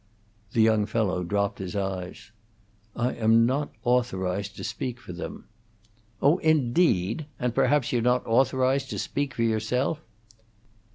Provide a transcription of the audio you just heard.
The young fellow dropped his eyes. "I am not authorized to speak for them." "Oh, indeed! And perhaps you're not authorized to speak for yourself?"